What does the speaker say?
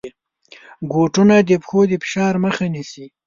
بوټونه د پښو د فشار مخه نیسي.